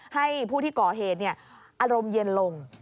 ให้ผู้ที่ก่อเหตุอารมณ์เย็นลง